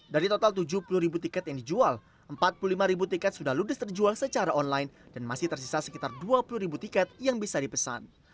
dari total tujuh puluh ribu tiket yang dijual empat puluh lima ribu tiket sudah ludes terjual secara online dan masih tersisa sekitar dua puluh ribu tiket yang bisa dipesan